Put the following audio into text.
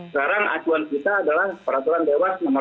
sekarang acuan kita adalah peraturan dewas nomor dua